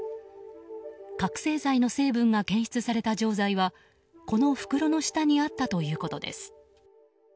覚醒剤の成分が検出された錠剤はこの袋の下にあったということです。